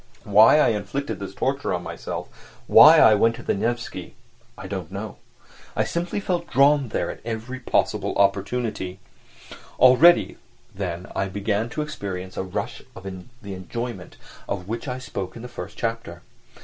Why I inflicted this torture upon myself, why I went to the Nevsky, I don't know. I felt simply drawn there at every possible opportunity. Already then I began to experience a rush of the enjoyment of which I spoke in the first chapter.